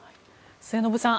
末延さん